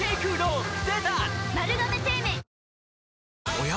おや？